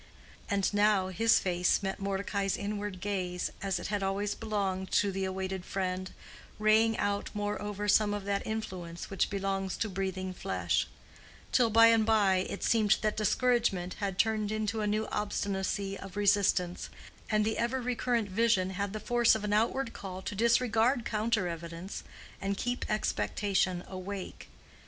And now, his face met Mordecai's inward gaze as it had always belonged to the awaited friend, raying out, moreover, some of that influence which belongs to breathing flesh; till by and by it seemed that discouragement had turned into a new obstinacy of resistance, and the ever recurrent vision had the force of an outward call to disregard counter evidence, and keep expectation awake.